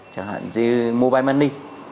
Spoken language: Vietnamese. chẳng hạn như mobile money